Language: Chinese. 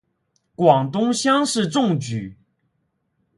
广东乡试中举。